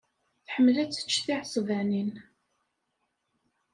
Tḥemmel ad tečč tiɛesbanin.